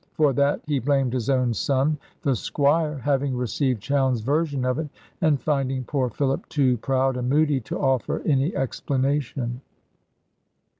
For that he blamed his own son, the Squire, having received Chowne's version of it, and finding poor Philip too proud and moody to offer any explanation.